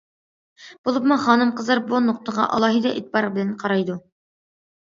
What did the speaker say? بولۇپمۇ خانىم- قىزلار بۇ نۇقتىغا ئالاھىدە ئېتىبار بىلەن قارايدۇ.